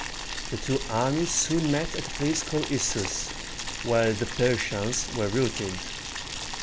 The two armies soon met at a place called Is´sus, where the Persians were routed.